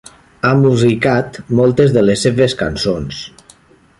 Ha musicat moltes de les seves cançons.